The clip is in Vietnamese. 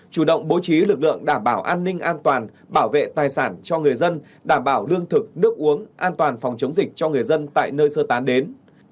chủ động bố trí lực lượng đảm bảo an ninh an toàn bảo vệ tài sản cho người dân đảm bảo lương thực nước uống an toàn phòng chống dịch cho người dân tại nơi sơ tán đến